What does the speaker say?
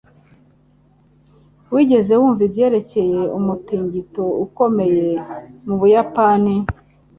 Wigeze wumva ibyerekeye umutingito ukomeye mu Buyapani